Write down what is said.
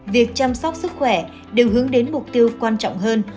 việc chăm sóc sức khỏe đều hướng đến mục tiêu quan trọng hơn